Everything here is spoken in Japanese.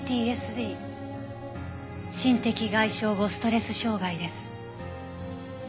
心的外傷後ストレス障害です。